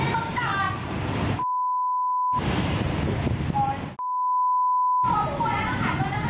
กลับมาเล่าให้ฟังครับ